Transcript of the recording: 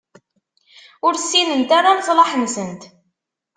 Ur ssinent ara leṣlaḥ-nsent.